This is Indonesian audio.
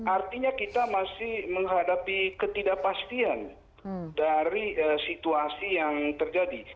artinya kita masih menghadapi ketidakpastian dari situasi yang terjadi